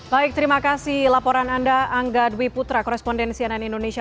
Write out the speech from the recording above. baik terima kasih laporan anda angga dwi putra korespondensi ann indonesia